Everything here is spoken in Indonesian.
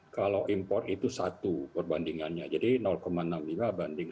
kalau impor itu satu perbandingannya jadi enam puluh lima banding satu